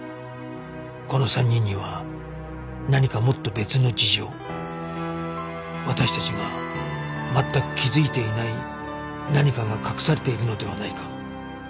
この３人には何かもっと別の事情私たちが全く気づいていない何かが隠されているのではないか？